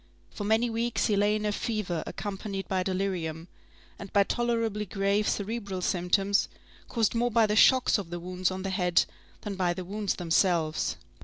For many weeks he lay in a fever accompanied by delirium, and by tolerably grave cerebral symptoms, caused more by the shocks of the wounds on the head than by the wounds themselves.